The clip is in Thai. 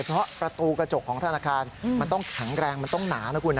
เพราะประตูกระจกของธนาคารมันต้องแข็งแรงมันต้องหนานะคุณ